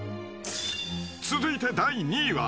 ［続いて第２位は］